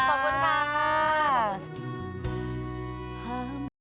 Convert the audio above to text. ขอบคุณค่ะ